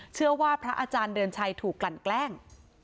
เชื่อว่าพระอาจารย์เดินชัยถูกกลั่นแกล้ง